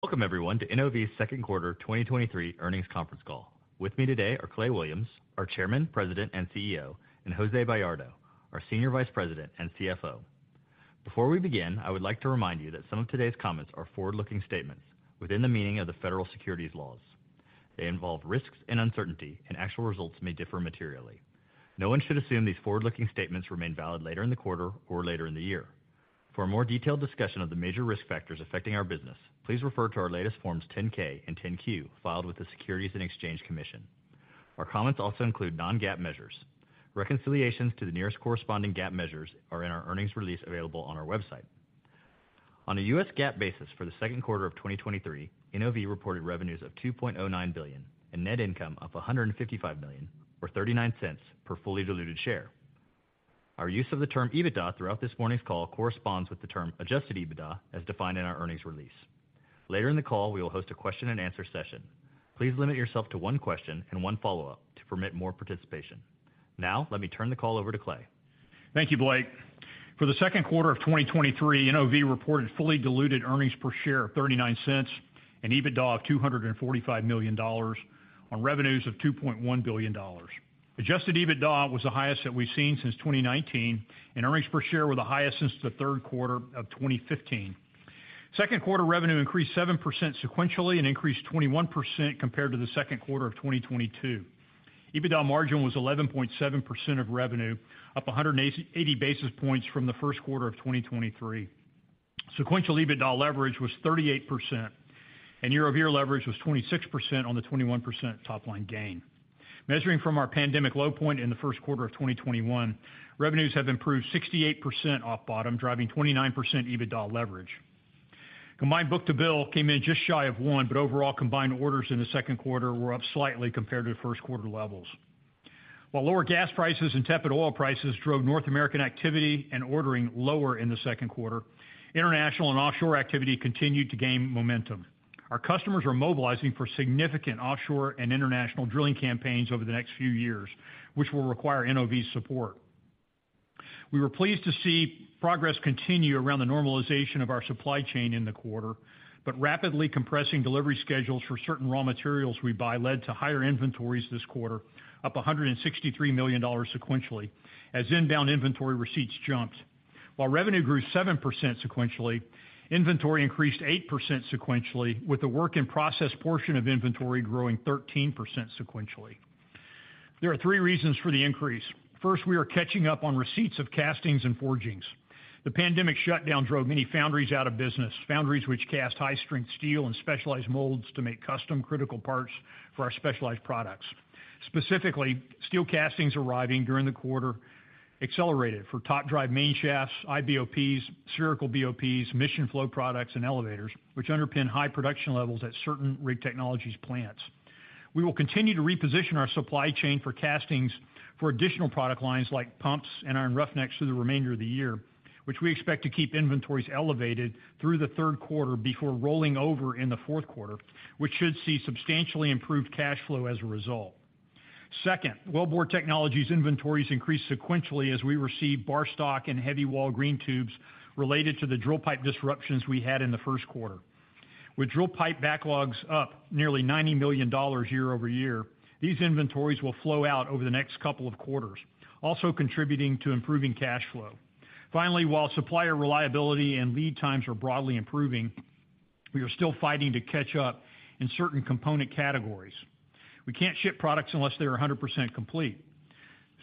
Welcome, everyone, to NOV's second quarter 2023 earnings conference call. With me today are Clay Williams, our Chairman, President, and CEO, and Jose Bayardo, our Senior Vice President and CFO. Before we begin, I would like to remind you that some of today's comments are forward-looking statements within the meaning of the federal securities laws. They involve risks and uncertainty, and actual results may differ materially. No one should assume these forward-looking statements remain valid later in the quarter or later in the year. For a more detailed discussion of the major risk factors affecting our business, please refer to our latest Forms 10-K and 10-Q, filed with the Securities and Exchange Commission. Our comments also include non-GAAP measures. Reconciliations to the nearest corresponding GAAP measures are in our earnings release, available on our website. On a U.S. GAAP basis for the second quarter of 2023, NOV reported revenues of $2.09 billion and net income of $155 million, or $0.39 per fully diluted share. Our use of the term EBITDA throughout this morning's call corresponds with the term adjusted EBITDA, as defined in our earnings release. Later in the call, we will host a question-and-answer session. Please limit yourself to one question and one follow-up to permit more participation. Now, let me turn the call over to Clay. Thank you, Blake. For the second quarter of 2023, NOV reported fully diluted earnings per share of $0.39 and EBITDA of $245 million on revenues of $2.1 billion. Adjusted EBITDA was the highest that we've seen since 2019, and earnings per share were the highest since the third quarter of 2015. Second quarter revenue increased 7% sequentially and increased 21% compared to the second quarter of 2022. EBITDA margin was 11.7% of revenue, up 180 basis points from the first quarter of 2023. Sequential EBITDA leverage was 38%, and year-over-year leverage was 26% on the 21% top line gain. Measuring from our pandemic low point in the first quarter of 2021, revenues have improved 68% off bottom, driving 29% EBITDA leverage. Combined book-to-bill came in just shy of one, Overall, combined orders in the second quarter were up slightly compared to the first quarter levels. While lower gas prices and tepid oil prices drove North American activity and ordering lower in the second quarter, international and offshore activity continued to gain momentum. Our customers are mobilizing for significant offshore and international drilling campaigns over the next few years, which will require NOV's support. We were pleased to see progress continue around the normalization of our supply chain in the quarter. Rapidly compressing delivery schedules for certain raw materials we buy led to higher inventories this quarter, up $163 million sequentially, as inbound inventory receipts jumped. While revenue grew 7% sequentially, inventory increased 8% sequentially, with the work-in-process portion of inventory growing 13% sequentially. There are three reasons for the increase. First, we are catching up on receipts of castings and forgings. The pandemic shutdown drove many foundries out of business, foundries which cast high-strength steel and specialized molds to make custom critical parts for our specialized products. Specifically, steel castings arriving during the quarter accelerated for top drive main shafts, IBOPs, spherical BOPs, mission flow products and elevators, which underpin high production levels at certain rig technologies plants. We will continue to reposition our supply chain for castings for additional product lines like pumps and iron roughnecks through the remainder of the year, which we expect to keep inventories elevated through the third quarter before rolling over in the fourth quarter, which should see substantially improved cash flow as a result. Second, Wellbore Technologies inventories increased sequentially as we received bar stock and heavy-wall green tubes related to the drill pipe disruptions we had in the first quarter. With drill pipe backlogs up nearly $90 million year-over-year, these inventories will flow out over the next couple of quarters, also contributing to improving cash flow. Finally, while supplier reliability and lead times are broadly improving, we are still fighting to catch up in certain component categories. We can't ship products unless they are 100% complete.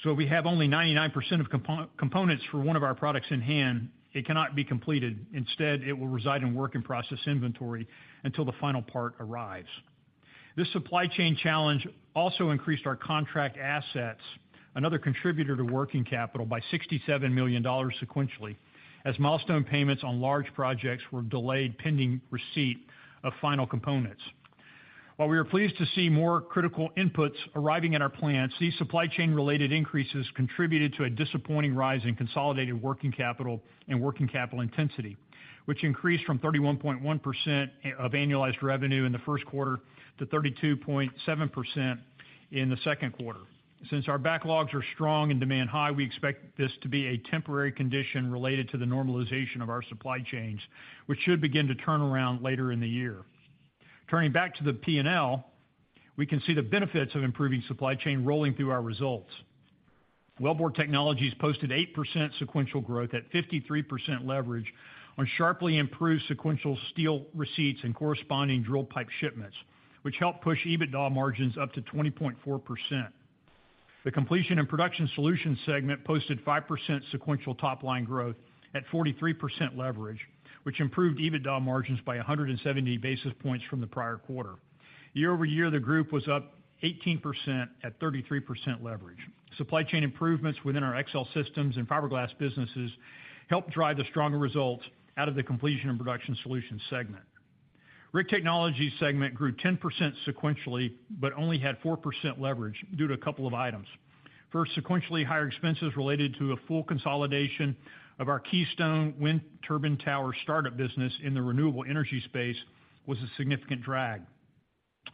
If we have only 99% of components for one of our products in hand, it cannot be completed. Instead, it will reside in work-in-process inventory until the final part arrives. This supply chain challenge also increased our contract assets, another contributor to working capital, by $67 million sequentially, as milestone payments on large projects were delayed, pending receipt of final components. While we are pleased to see more critical inputs arriving at our plants, these supply chain-related increases contributed to a disappointing rise in consolidated working capital and working capital intensity, which increased from 31.1% of annualized revenue in the first quarter to 32.7% in the second quarter. Since our backlogs are strong and demand high, we expect this to be a temporary condition related to the normalization of our supply chains, which should begin to turn around later in the year. Turning back to the P&L, we can see the benefits of improving supply chain rolling through our results. Wellbore Technologies posted 8% sequential growth at 53% leverage on sharply improved sequential steel receipts and corresponding drill pipe shipments, which helped push EBITDA margins up to 20.4%. The Completion and Production Solutions segment posted 5% sequential top-line growth at 43% leverage, which improved EBITDA margins by 170 basis points from the prior quarter. Year-over-year, the group was up 18% at 33% leverage. Supply chain improvements within our Excel systems and fiberglass businesses helped drive the stronger results out of the Completion and Production Solutions segment. Rig Technology segment grew 10% sequentially, only had 4% leverage due to a couple of items. First, sequentially, higher expenses related to a full consolidation of our Keystone wind turbine tower startup business in the renewable energy space was a significant drag....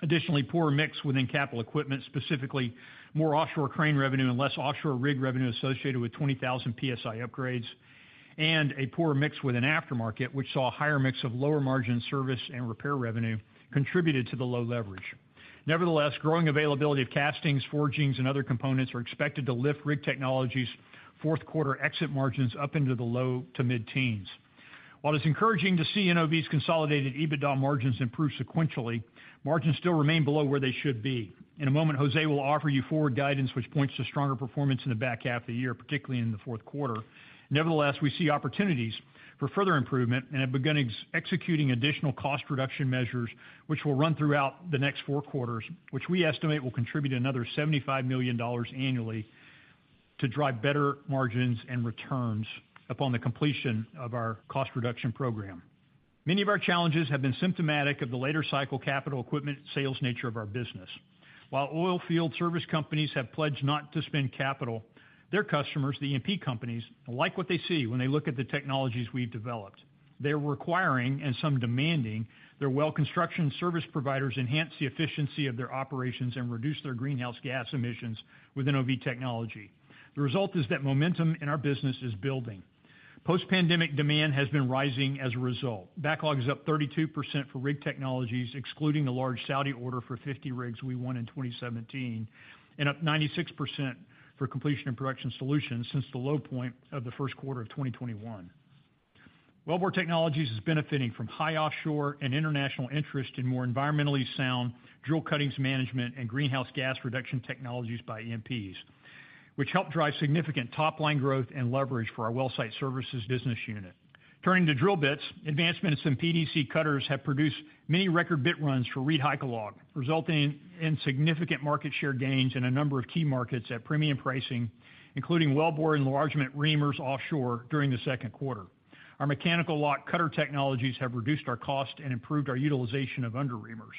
Additionally, poor mix within capital equipment, specifically more offshore crane revenue and less offshore rig revenue associated with 20,000 PSI upgrades, and a poor mix with an aftermarket, which saw a higher mix of lower margin service and repair revenue, contributed to the low leverage. Nevertheless, growing availability of castings, forgings, and other components are expected to lift Rig Technologies' fourth quarter exit margins up into the low to mid-teens. While it's encouraging to see NOV's consolidated EBITDA margins improve sequentially, margins still remain below where they should be. In a moment, Jose will offer you forward guidance, which points to stronger performance in the back half of the year, particularly in the fourth quarter. Nevertheless, we see opportunities for further improvement and have begun executing additional cost reduction measures, which will run throughout the next four quarters, which we estimate will contribute another $75 million annually to drive better margins and returns upon the completion of our cost reduction program. Many of our challenges have been symptomatic of the later cycle capital equipment sales nature of our business. While oil field service companies have pledged not to spend capital, their customers, the E&P companies, like what they see when they look at the technologies we've developed. They're requiring, and some demanding, their well construction service providers enhance the efficiency of their operations and reduce their greenhouse gas emissions with NOV technology. The result is that momentum in our business is building. Post-pandemic demand has been rising as a result. Backlog is up 32% for Rig Technologies, excluding the large Saudi order for 50 rigs we won in 2017, and up 96% for completion and production solutions since the low point of the first quarter of 2021. Wellbore Technologies is benefiting from high offshore and international interest in more environmentally sound drill cuttings management and greenhouse gas reduction technologies by E&Ps, which helped drive significant top-line growth and leverage for our well site services business unit. Turning to drill bits, advancements in PDC cutters have produced many record bit runs for Reed Hycalog, resulting in significant market share gains in a number of key markets at premium pricing, including wellbore enlargement reamers offshore during the second quarter. Our mechanical lock cutter technologies have reduced our cost and improved our utilization of under reamers.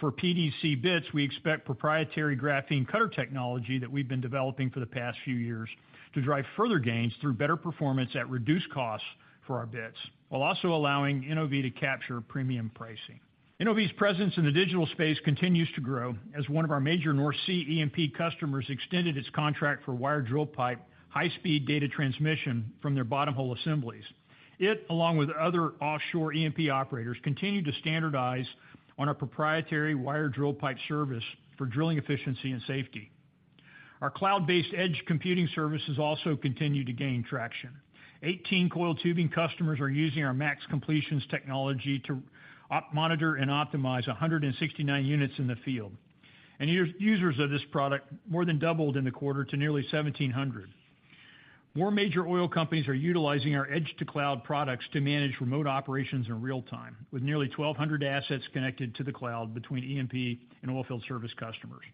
For PDC bits, we expect proprietary graphene cutter technology that we've been developing for the past few years to drive further gains through better performance at reduced costs for our bits, while also allowing NOV to capture premium pricing. NOV's presence in the digital space continues to grow as one of our major North Sea E&P customers extended its contract for wire drill pipe, high-speed data transmission from their bottom hole assemblies. It, along with other offshore E&P operators, continue to standardize on our proprietary wire drill pipe service for drilling efficiency and safety. Our cloud-based edge computing services also continue to gain traction. 18 coil tubing customers are using our max completions technology to monitor and optimize 169 units in the field, and users of this product more than doubled in the quarter to nearly 1,700. More major oil companies are utilizing our edge-to-cloud products to manage remote operations in real time, with nearly 1,200 assets connected to the cloud between E&P and oilfield service customers.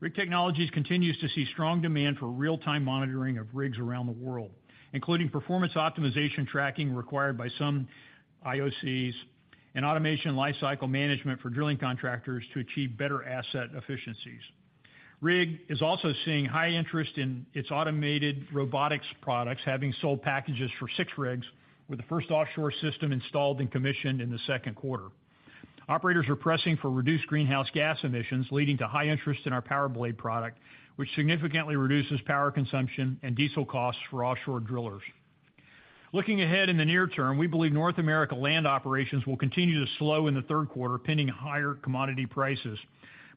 Rig Technologies continues to see strong demand for real-time monitoring of rigs around the world, including performance optimization tracking required by some IOCs and automation lifecycle management for drilling contractors to achieve better asset efficiencies. Rig is also seeing high interest in its automated robotics products, having sold packages for six rigs, with the first offshore system installed and commissioned in the second quarter. Operators are pressing for reduced greenhouse gas emissions, leading to high interest in our PowerBlade product, which significantly reduces power consumption and diesel costs for offshore drillers. Looking ahead in the near term, we believe North America land operations will continue to slow in the third quarter, pending higher commodity prices.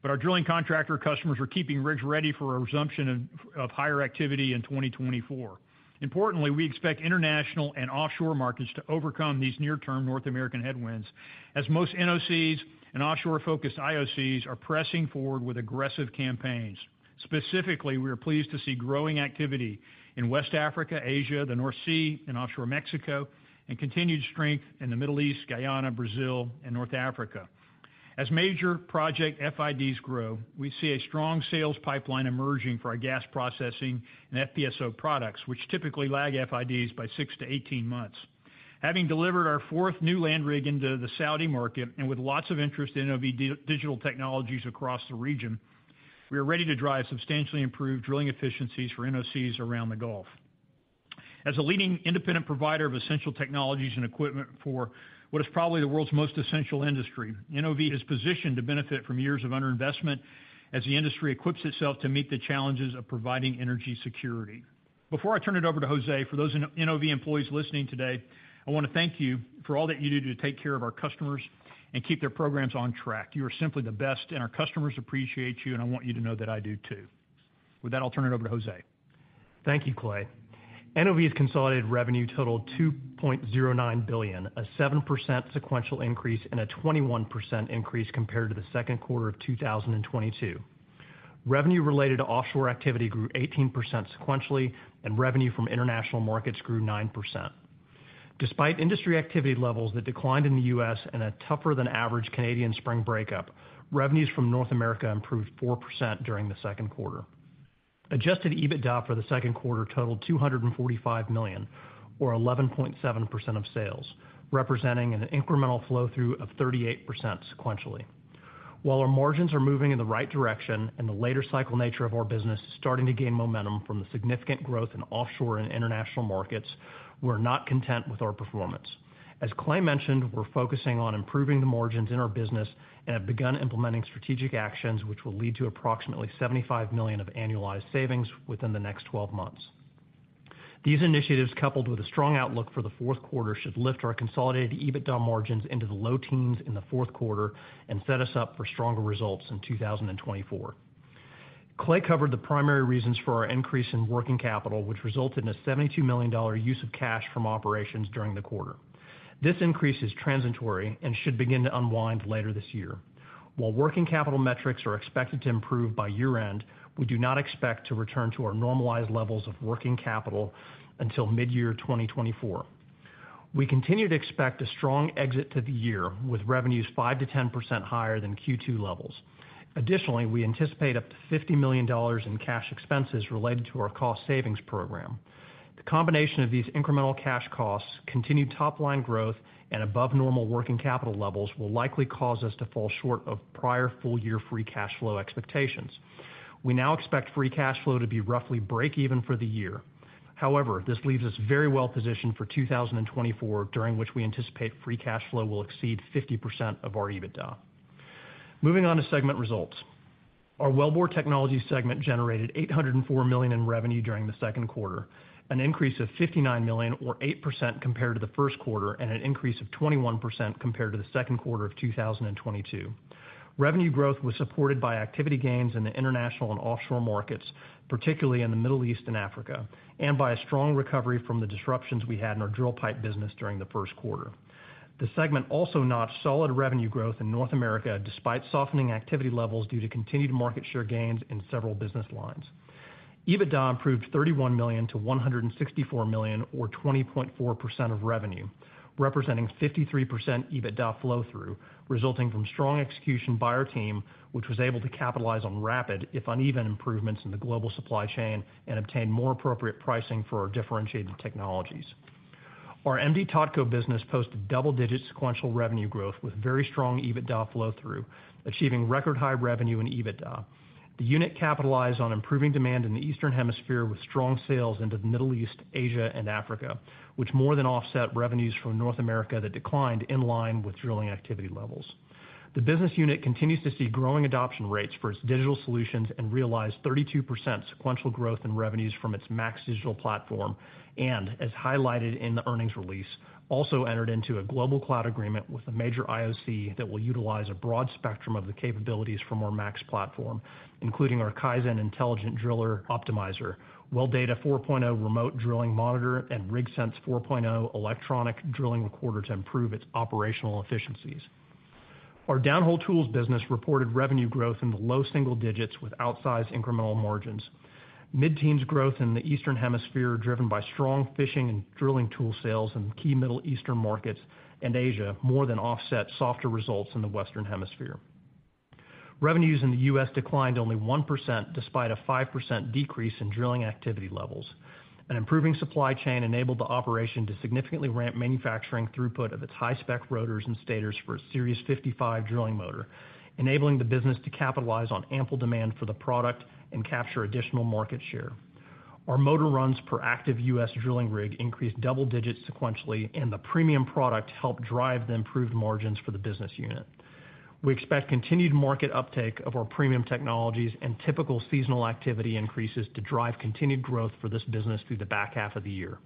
Our drilling contractor customers are keeping rigs ready for a resumption of higher activity in 2024. Importantly, we expect international and offshore markets to overcome these near-term North American headwinds, as most NOCs and offshore-focused IOCs are pressing forward with aggressive campaigns. Specifically, we are pleased to see growing activity in West Africa, Asia, the North Sea, and offshore Mexico, and continued strength in the Middle East, Guyana, Brazil, and North Africa. As major project FIDs grow, we see a strong sales pipeline emerging for our gas processing and FPSO products, which typically lag FIDs by 6-18 months. Having delivered our fourth new land rig into the Saudi market, and with lots of interest in NOV digital technologies across the region, we are ready to drive substantially improved drilling efficiencies for NOCs around the Gulf. As a leading independent provider of essential technologies and equipment for what is probably the world's most essential industry, NOV is positioned to benefit from years of underinvestment as the industry equips itself to meet the challenges of providing energy security. Before I turn it over to Jose, for those NOV employees listening today, I wanna thank you for all that you do to take care of our customers and keep their programs on track. You are simply the best. Our customers appreciate you. I want you to know that I do, too. With that, I'll turn it over to Jose. Thank you, Clay. NOV's consolidated revenue totaled $2.09 billion, a 7% sequential increase and a 21% increase compared to Q2 2022. Revenue related to offshore activity grew 18% sequentially, and revenue from international markets grew 9%. Despite industry activity levels that declined in the U.S. and a tougher than average Canadian spring breakup, revenues from North America improved 4% during Q2. Adjusted EBITDA for Q2 totaled $245 million, or 11.7% of sales, representing an incremental flow-through of 38% sequentially. While our margins are moving in the right direction and the later cycle nature of our business is starting to gain momentum from the significant growth in offshore and international markets, we're not content with our performance. As Clay mentioned, we're focusing on improving the margins in our business and have begun implementing strategic actions, which will lead to approximately $75 million of annualized savings within the next 12 months. These initiatives, coupled with a strong outlook for the fourth quarter, should lift our consolidated EBITDA margins into the low teens in the fourth quarter and set us up for stronger results in 2024. Clay covered the primary reasons for our increase in working capital, which resulted in a $72 million use of cash from operations during the quarter. This increase is transitory and should begin to unwind later this year. While working capital metrics are expected to improve by year-end, we do not expect to return to our normalized levels of working capital until mid-year 2024. We continue to expect a strong exit to the year, with revenues 5%-10% higher than Q2 levels. Additionally, we anticipate up to $50 million in cash expenses related to our cost savings program. The combination of these incremental cash costs, continued top-line growth, and above normal working capital levels will likely cause us to fall short of prior full-year free cash flow expectations. We now expect free cash flow to be roughly break even for the year. However, this leaves us very well positioned for 2024, during which we anticipate free cash flow will exceed 50% of our EBITDA. Moving on to segment results. Our Wellbore Technologies segment generated $804 million in revenue during the second quarter, an increase of $59 million, or 8% compared to the first quarter, and an increase of 21% compared to the second quarter of 2022. Revenue growth was supported by activity gains in the international and offshore markets, particularly in the Middle East and Africa, and by a strong recovery from the disruptions we had in our drill pipe business during the first quarter. The segment also notched solid revenue growth in North America, despite softening activity levels due to continued market share gains in several business lines. EBITDA improved $31 million to $164 million, or 20.4% of revenue, representing 53% EBITDA flow through, resulting from strong execution by our team, which was able to capitalize on rapid, if uneven, improvements in the global supply chain and obtain more appropriate pricing for our differentiated technologies. Our MDTOTCO business posted double-digit sequential revenue growth with very strong EBITDA flow through, achieving record-high revenue in EBITDA. The unit capitalized on improving demand in the Eastern Hemisphere, with strong sales into the Middle East, Asia, and Africa, which more than offset revenues from North America that declined in line with drilling activity levels. The business unit continues to see growing adoption rates for its digital solutions and realized 32% sequential growth in revenues from its Max Digital platform, and as highlighted in the earnings release, also entered into a global cloud agreement with a major IOC that will utilize a broad spectrum of the capabilities from our MAX platform, including our Kaizen Intelligent Driller Optimizer, WellData 4.0 Remote Drilling Monitor, and RigSense 4.0 Electronic Drilling Recorder to improve its operational efficiencies. Our Downhole Tools business reported revenue growth in the low single digits with outsized incremental margins. Mid-teens growth in the Eastern Hemisphere, driven by strong fishing and drilling tool sales in key Middle Eastern markets and Asia, more than offset softer results in the Western Hemisphere. Revenues in the U.S. declined only 1%, despite a 5% decrease in drilling activity levels. An improving supply chain enabled the operation to significantly ramp manufacturing throughput of its high-spec rotors and stators for its Series 55 drilling motor, enabling the business to capitalize on ample demand for the product and capture additional market share. Our motor runs per active U.S. drilling rig increased double digits sequentially, and the premium product helped drive the improved margins for the business unit. We expect continued market uptake of our premium technologies and typical seasonal activity increases to drive continued growth for this business through the back half of the year.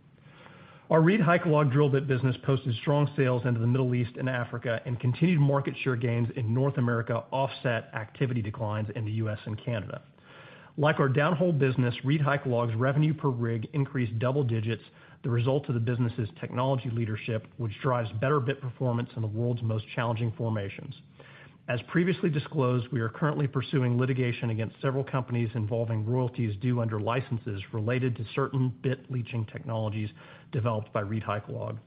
Our Reed Hycalog drill bit business posted strong sales into the Middle East and Africa, and continued market share gains in North America offset activity declines in the U.S. and Canada. Like our downhole business, Reed Hycalog's revenue per rig increased double digits, the result of the business's technology leadership, which drives better bit performance in the world's most challenging formations. As previously disclosed, we are currently pursuing litigation against several companies involving royalties due under licenses related to certain bit leaching technologies developed by Reed Hycalog.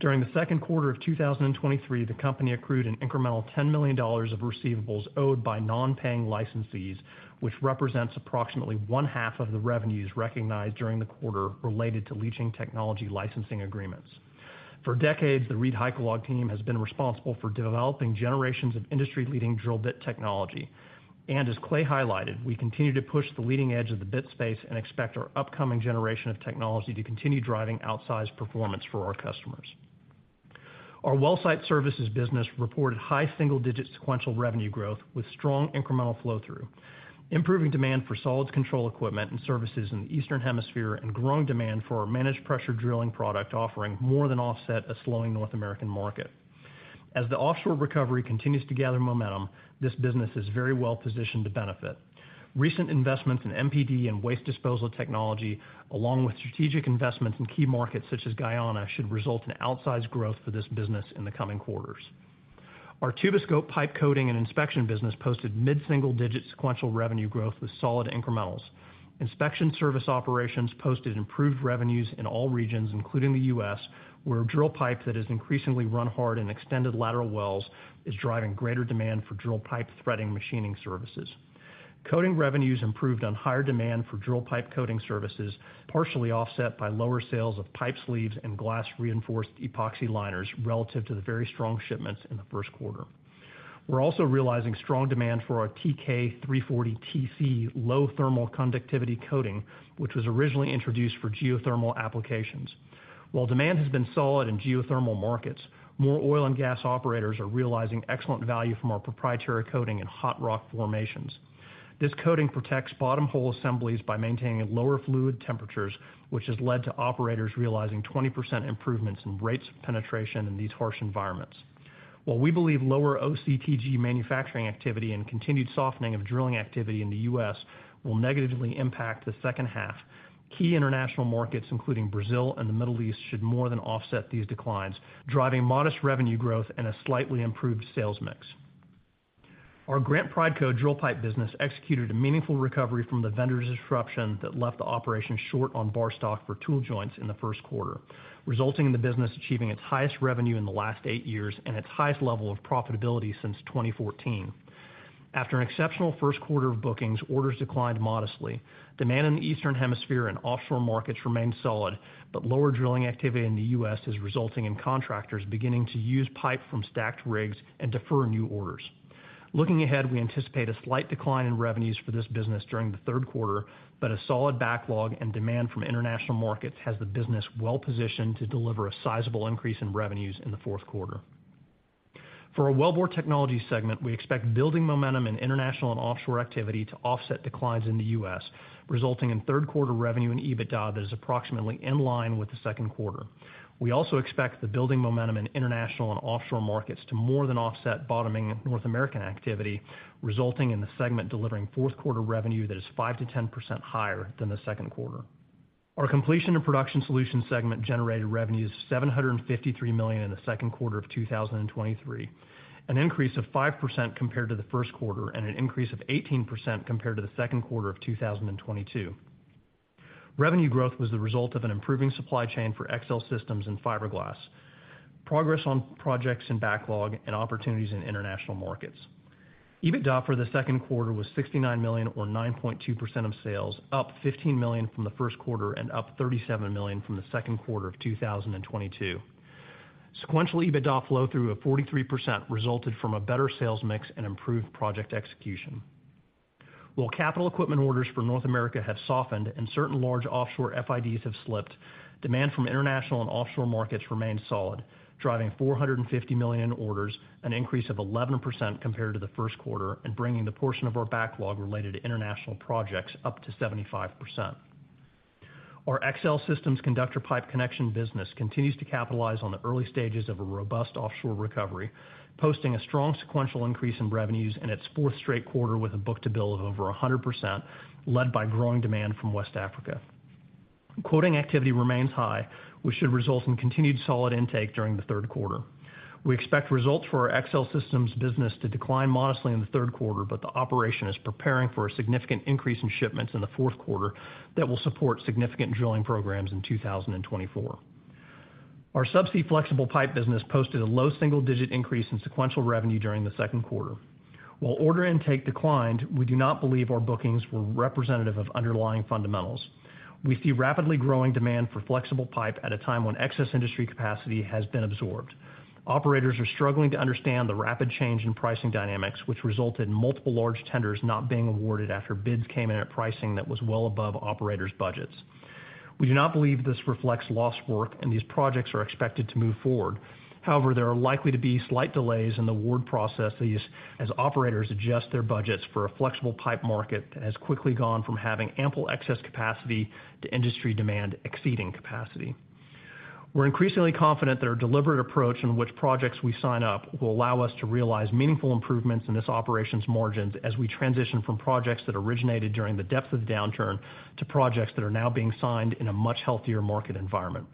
During the second quarter of 2023, the company accrued an incremental $10 million of receivables owed by non-paying licensees, which represents approximately one half of the revenues recognized during the quarter related to leaching technology licensing agreements. For decades, the Reed Hycalog team has been responsible for developing generations of industry-leading drill bit technology. As Clay highlighted, we continue to push the leading edge of the bit space and expect our upcoming generation of technology to continue driving outsized performance for our customers. Our Well Site Services business reported high single-digit sequential revenue growth with strong incremental flow through. Improving demand for solid control equipment and services in the Eastern Hemisphere and growing demand for our managed pressure drilling product offering more than offset a slowing North American market. As the offshore recovery continues to gather momentum, this business is very well positioned to benefit. Recent investments in MPD and waste disposal technology, along with strategic investments in key markets such as Guyana, should result in outsized growth for this business in the coming quarters. Our Tuboscope pipe coating and inspection business posted mid-single-digit sequential revenue growth with solid incrementals. Inspection service operations posted improved revenues in all regions, including the U.S., where drill pipe that is increasingly run hard in extended lateral wells is driving greater demand for drill pipe threading machining services. Coating revenues improved on higher demand for drill pipe coating services, partially offset by lower sales of pipe sleeves and glass-reinforced epoxy liners relative to the very strong shipments in the first quarter. We're also realizing strong demand for our TK340TC low thermal conductivity coating, which was originally introduced for geothermal applications. While demand has been solid in geothermal markets, more oil and gas operators are realizing excellent value from our proprietary coating in hot rock formations. This coating protects bottom hole assemblies by maintaining lower fluid temperatures, which has led to operators realizing 20% improvements in rates of penetration in these harsh environments. While we believe lower OCTG manufacturing activity and continued softening of drilling activity in the U.S. will negatively impact the second half, key international markets, including Brazil and the Middle East, should more than offset these declines, driving modest revenue growth and a slightly improved sales mix. Our Grant Prideco Drill Pipe business executed a meaningful recovery from the vendor disruption that left the operation short on bar stock for tool joints in the first quarter, resulting in the business achieving its highest revenue in the last 8 years and its highest level of profitability since 2014. After an exceptional first quarter of bookings, orders declined modestly. Demand in the eastern hemisphere and offshore markets remained solid, but lower drilling activity in the U.S. is resulting in contractors beginning to use pipe from stacked rigs and defer new orders. Looking ahead, we anticipate a slight decline in revenues for this business during the third quarter, but a solid backlog and demand from international markets has the business well positioned to deliver a sizable increase in revenues in the fourth quarter. For our Wellbore Technologies segment, we expect building momentum in international and offshore activity to offset declines in the US, resulting in third quarter revenue and EBITDA that is approximately in line with the second quarter. We also expect the building momentum in international and offshore markets to more than offset bottoming North American activity, resulting in the segment delivering fourth quarter revenue that is 5%-10% higher than the second quarter. Our Completion and Production Solutions segment generated revenues $753 million in the second quarter of 2023, an increase of 5% compared to the first quarter, and an increase of 18% compared to the second quarter of 2022. Revenue growth was the result of an improving supply chain for XL Systems and Fiberglass, progress on projects and backlog, and opportunities in international markets. EBITDA for the second quarter was $69 million, or 9.2% of sales, up $15 million from the first quarter and up $37 million from the second quarter of 2022. Sequentially, EBITDA flow through of 43% resulted from a better sales mix and improved project execution. While capital equipment orders for North America have softened and certain large offshore FIDs have slipped, demand from international and offshore markets remains solid, driving $450 million in orders, an increase of 11% compared to the first quarter, and bringing the portion of our backlog related to international projects up to 75%. Our XL Systems Conductor Pipe Connection business continues to capitalize on the early stages of a robust offshore recovery, posting a strong sequential increase in revenues in its fourth straight quarter with a book-to-bill of over 100%, led by growing demand from West Africa. Quoting activity remains high, which should result in continued solid intake during the third quarter. We expect results for our XL Systems business to decline modestly in the third quarter, but the operation is preparing for a significant increase in shipments in the fourth quarter that will support significant drilling programs in 2024. Our Subsea Flexible Pipe business posted a low single-digit increase in sequential revenue during the second quarter. While order intake declined, we do not believe our bookings were representative of underlying fundamentals. We see rapidly growing demand for flexible pipe at a time when excess industry capacity has been absorbed. Operators are struggling to understand the rapid change in pricing dynamics, which resulted in multiple large tenders not being awarded after bids came in at pricing that was well above operators' budgets. We do not believe this reflects lost work, and these projects are expected to move forward. However, there are likely to be slight delays in the award processes as operators adjust their budgets for a flexible pipe market that has quickly gone from having ample excess capacity to industry demand exceeding capacity. We're increasingly confident that our deliberate approach in which projects we sign up will allow us to realize meaningful improvements in this operations margins as we transition from projects that originated during the depth of the downturn to projects that are now being signed in a much healthier market environment.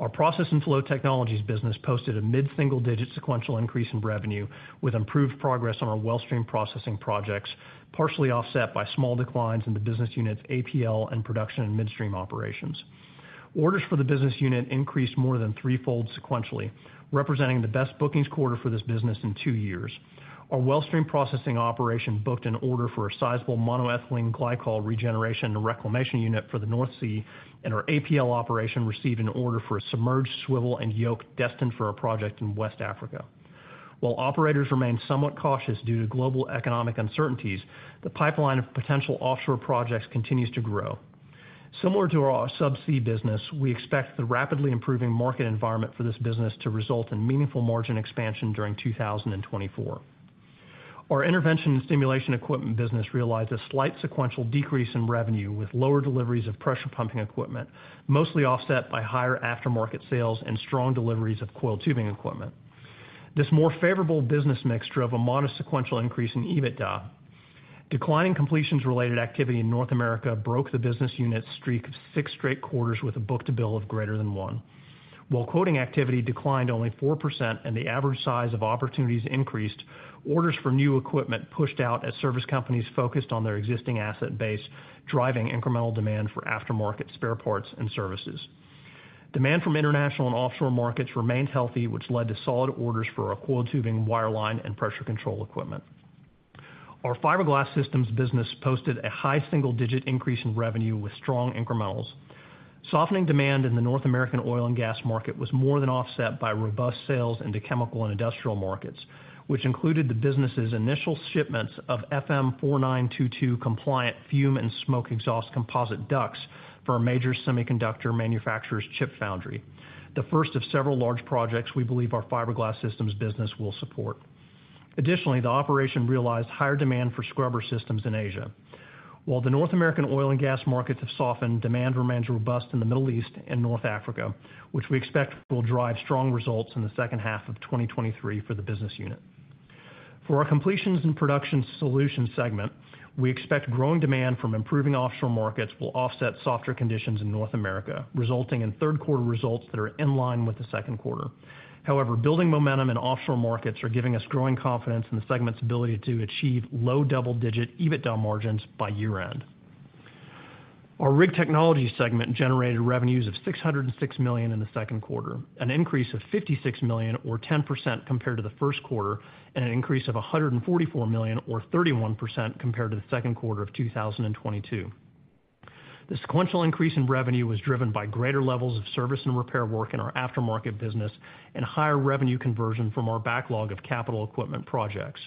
Our Process and Flow Technologies business posted a mid-single-digit sequential increase in revenue, with improved progress on our wellstream processing projects, partially offset by small declines in the business unit's APL and production and midstream operations. Orders for the business unit increased more than threefold sequentially, representing the best bookings quarter for this business in 2 years. Our Wellstream Processing operation booked an order for a sizable monoethylene glycol regeneration and reclamation unit for the North Sea, and our APL operation received an order for a submerged swivel and yoke destined for a project in West Africa. While operators remain somewhat cautious due to global economic uncertainties, the pipeline of potential offshore projects continues to grow. Similar to our Subsea business, we expect the rapidly improving market environment for this business to result in meaningful margin expansion during 2024. Our Intervention and Stimulation Equipment business realized a slight sequential decrease in revenue, with lower deliveries of pressure pumping equipment, mostly offset by higher aftermarket sales and strong deliveries of coil tubing equipment. This more favorable business mixture of a modest sequential increase in EBITDA. Declining completions related activity in North America broke the business unit's streak of six straight quarters with a book-to-bill of greater than one. While quoting activity declined only 4% and the average size of opportunities increased, orders for new equipment pushed out as service companies focused on their existing asset base, driving incremental demand for aftermarket spare parts and services. Demand from international and offshore markets remained healthy, which led to solid orders for our coil tubing, wireline, and pressure control equipment.... Our fiberglass systems business posted a high single-digit increase in revenue with strong incrementals. Softening demand in the North American oil and gas market was more than offset by robust sales into chemical and industrial markets, which included the business's initial shipments of FM 4922 compliant fume and smoke exhaust composite ducts for a major semiconductor manufacturer's chip foundry. The first of several large projects we believe our fiberglass systems business will support. Additionally, the operation realized higher demand for scrubber systems in Asia. While the North American oil and gas markets have softened, demand remains robust in the Middle East and North Africa, which we expect will drive strong results in the second half of 2023 for the business unit. For our completions and production solutions segment, we expect growing demand from improving offshore markets will offset softer conditions in North America, resulting in third quarter results that are in line with the second quarter. Building momentum in offshore markets are giving us growing confidence in the segment's ability to achieve low double-digit EBITDA margins by year-end. Our rig technology segment generated revenues of $606 million in the second quarter, an increase of $56 million or 10% compared to the first quarter, and an increase of $144 million or 31% compared to Q2 2022. The sequential increase in revenue was driven by greater levels of service and repair work in our aftermarket business and higher revenue conversion from our backlog of capital equipment projects.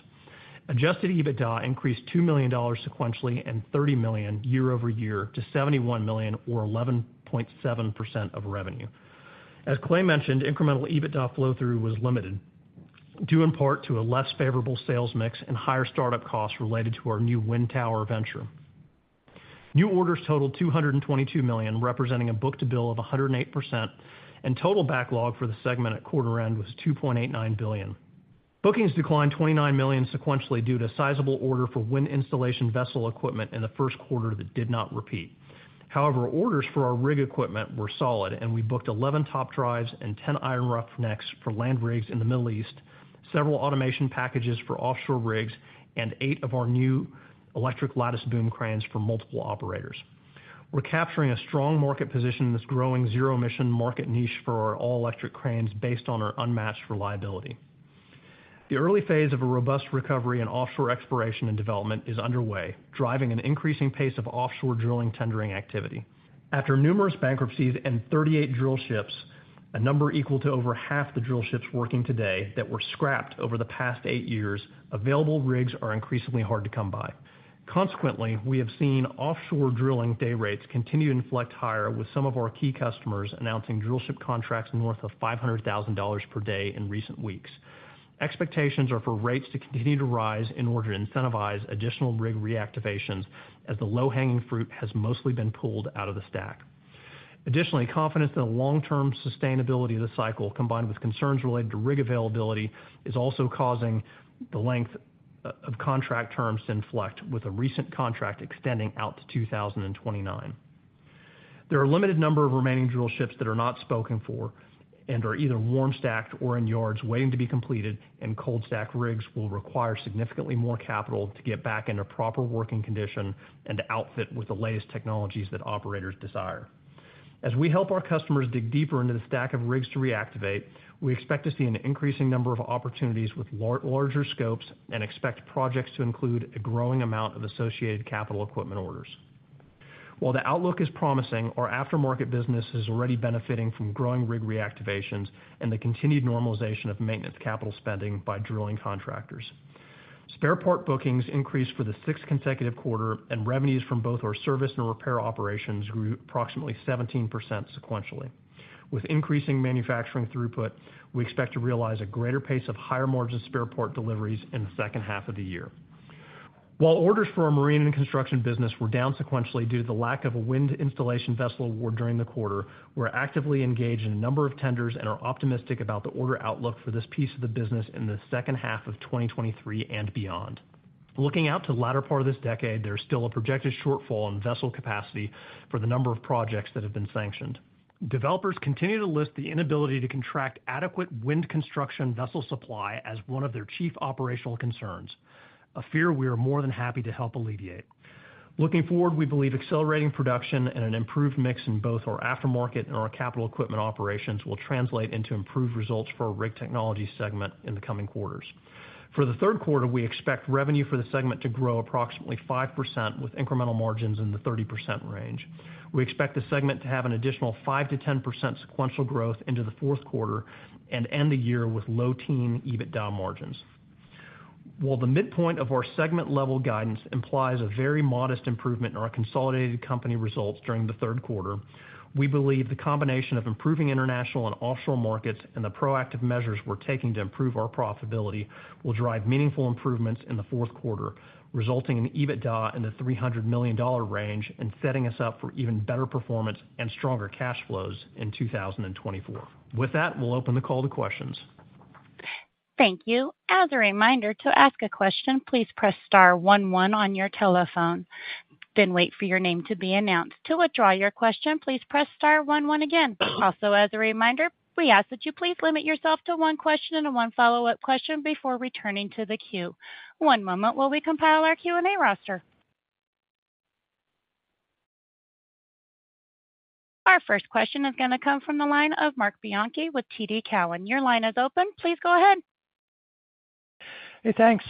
Adjusted EBITDA increased $2 million sequentially and $30 million year-over-year to $71 million or 11.7% of revenue. As Clay mentioned, incremental EBITDA flow-through was limited, due in part to a less favorable sales mix and higher start-up costs related to our new wind tower venture. New orders totaled $222 million, representing a book to bill of 108%, total backlog for the segment at quarter end was $2.89 billion. Bookings declined $29 million sequentially due to sizable order for wind installation vessel equipment in the first quarter that did not repeat. Orders for our rig equipment were solid, and we booked 11 top drives and 10 iron rough necks for land rigs in the Middle East, several automation packages for offshore rigs, and eight of our new electric lattice boom cranes for multiple operators. We're capturing a strong market position in this growing zero emission market niche for our all-electric cranes based on our unmatched reliability. The early phase of a robust recovery in offshore exploration and development is underway, driving an increasing pace of offshore drilling tendering activity. After numerous bankruptcies and 38 drill ships, a number equal to over half the drill ships working today, that were scrapped over the past 8 years, available rigs are increasingly hard to come by. We have seen offshore drilling day rates continue to inflect higher, with some of our key customers announcing drill ship contracts north of $500,000 per day in recent weeks. Expectations are for rates to continue to rise in order to incentivize additional rig reactivations, as the low-hanging fruit has mostly been pulled out of the stack. Confidence in the long-term sustainability of the cycle, combined with concerns related to rig availability, is also causing the length of contract terms to inflect, with a recent contract extending out to 2029. There are a limited number of remaining drill ships that are not spoken for and are either warm stacked or in yards waiting to be completed. Cold stacked rigs will require significantly more capital to get back into proper working condition and to outfit with the latest technologies that operators desire. As we help our customers dig deeper into the stack of rigs to reactivate, we expect to see an increasing number of opportunities with larger scopes and expect projects to include a growing amount of associated capital equipment orders. While the outlook is promising, our aftermarket business is already benefiting from growing rig reactivations and the continued normalization of maintenance capital spending by drilling contractors. Spare part bookings increased for the sixth consecutive quarter. Revenues from both our service and repair operations grew approximately 17% sequentially. With increasing manufacturing throughput, we expect to realize a greater pace of higher margin spare part deliveries in the second half of the year. While orders for our marine and construction business were down sequentially due to the lack of a wind installation vessel award during the quarter, we're actively engaged in a number of tenders and are optimistic about the order outlook for this piece of the business in the second half of 2023 and beyond. Looking out to the latter part of this decade, there's still a projected shortfall in vessel capacity for the number of projects that have been sanctioned. Developers continue to list the inability to contract adequate wind construction vessel supply as one of their chief operational concerns, a fear we are more than happy to help alleviate. Looking forward, we believe accelerating production and an improved mix in both our aftermarket and our capital equipment operations will translate into improved results for our rig technology segment in the coming quarters. For the third quarter, we expect revenue for the segment to grow approximately 5%, with incremental margins in the 30% range. We expect the segment to have an additional 5%-10% sequential growth into the fourth quarter and end the year with low teen EBITDA margins. While the midpoint of our segment-level guidance implies a very modest improvement in our consolidated company results during the third quarter, we believe the combination of improving international and offshore markets and the proactive measures we're taking to improve our profitability will drive meaningful improvements in the fourth quarter, resulting in EBITDA in the $300 million range and setting us up for even better performance and stronger cash flows in 2024. With that, we'll open the call to questions. Thank you. As a reminder, to ask a question, please press star 11 on your telephone, then wait for your name to be announced. To withdraw your question, please press star 11 again. As a reminder, we ask that you please limit yourself to one question and one follow-up question before returning to the queue. One moment while we compile our Q&A roster.... Our first question is going to come from the line of Mark Bianchi with TD Cowen. Your line is open. Please go ahead. Hey, thanks.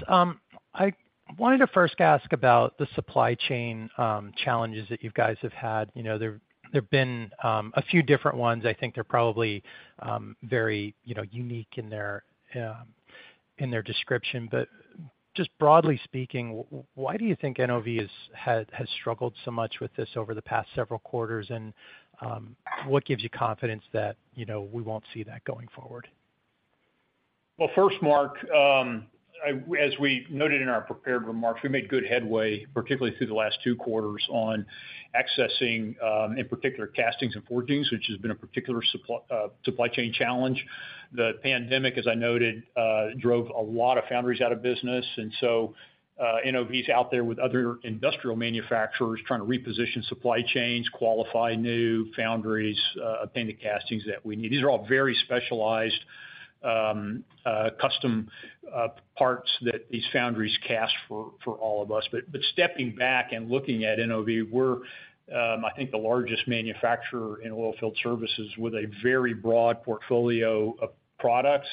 I wanted to first ask about the supply chain challenges that you guys have had. You know, there, there have been a few different ones. I think they're probably very, you know, unique in their in their description. Just broadly speaking, why do you think NOV has struggled so much with this over the past several quarters? What gives you confidence that, you know, we won't see that going forward? First, Mark, as we noted in our prepared remarks, we made good headway, particularly through the last 2 quarters, on accessing, in particular, castings and forgings, which has been a particular supply chain challenge. The pandemic, as I noted, drove a lot of foundries out of business, NOV is out there with other industrial manufacturers trying to reposition supply chains, qualify new foundries, obtain the castings that we need. These are all very specialized, custom, parts that these foundries cast for, for all of us. Stepping back and looking at NOV, we're, I think, the largest manufacturer in oilfield services with a very broad portfolio of products.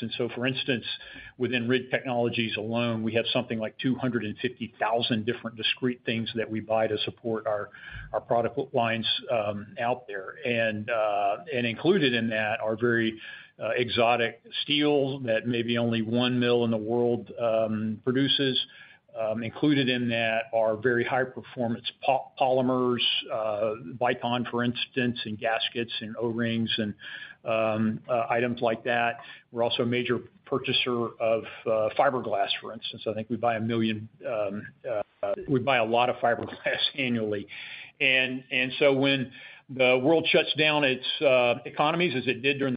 Within rig technologies alone, we have something like 250,000 different discrete things that we buy to support our product lines out there. Included in that are very exotic steel that maybe only 1 mill in the world produces. Included in that are very high-performance polymers, Vuitton, for instance, and gaskets and O-rings, and items like that. We're also a major purchaser of fiberglass, for instance. I think we buy 1 million, we buy a lot of fiberglass annually. When the world shuts down its economies, as it did during...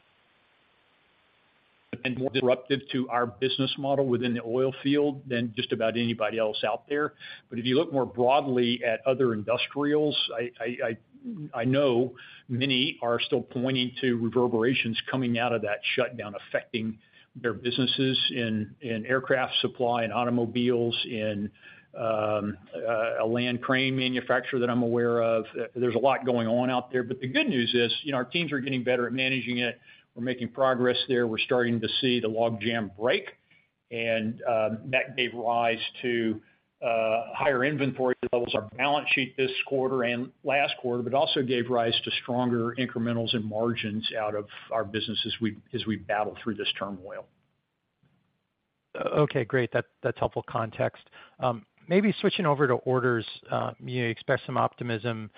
more disruptive to our business model within the oil field than just about anybody else out there. If you look more broadly at other industrials, I know many are still pointing to reverberations coming out of that shutdown, affecting their businesses in aircraft supply and automobiles, in a land crane manufacturer that I'm aware of. There's a lot going on out there. The good news is, you know, our teams are getting better at managing it. We're making progress there. We're starting to see the logjam break, and that gave rise to higher inventory levels, our balance sheet this quarter and last quarter, but also gave rise to stronger incrementals and margins out of our business as we battle through this turmoil. Okay, great. That's helpful context. Maybe switching over to orders, you expressed some optimism